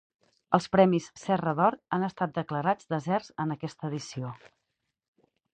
Els premis Serra d'Or han estat declarats deserts en aquesta edició